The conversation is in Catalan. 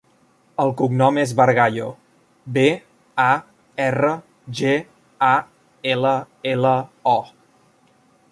El cognom és Bargallo: be, a, erra, ge, a, ela, ela, o.